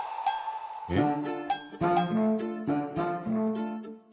えっ？